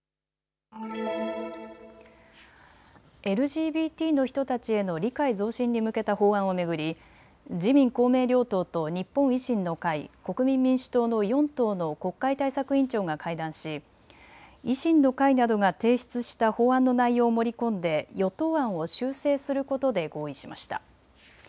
ＬＧＢＴの人たちへの理解増進に向けた法案を巡り自民公明両党と日本維新の会、国民民主党の４党の国会対策委員長が会談し維新の会などが提出した法案の内容を盛り込んで与党案を修正することで合意しました。